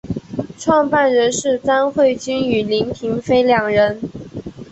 创办人是詹慧君与林庭妃两人。